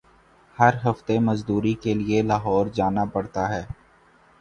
ہر ہفتے مزدوری کیلئے لاہور جانا پڑتا ہے۔